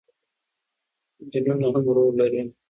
جینونه هم رول لري.